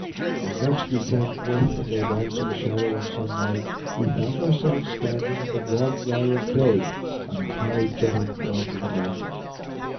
When next we came forth from their dancing shadow and sunlight, we found ourselves standing in the broad glare of day, on a high jutting point of the mountain.